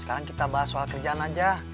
sekarang kita bahas soal kerjaan aja